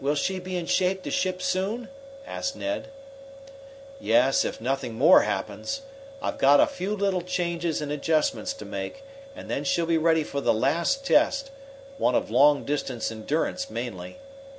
"Will she be in shape to ship soon?" asked Ned. "Yes, if nothing more happens. I've got a few little changes and adjustments to make, and then she'll be ready for the last test one of long distance endurance mainly.